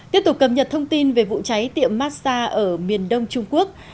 tiếp tục cập nhật thông tin về vụ cháy tiệm massage ở miền đông trung quốc